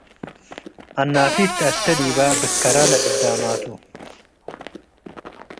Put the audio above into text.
አናፊት ተአቴ ዲበ ብከረ ለዕዳማቱ